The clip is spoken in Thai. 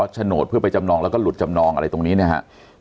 โฉนดเพื่อไปจำนองแล้วก็หลุดจำนองอะไรตรงนี้นะครับ